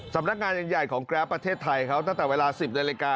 สำนักงานใหญ่ของแกรปประเทศไทยเขาตั้งแต่เวลา๑๐นาฬิกา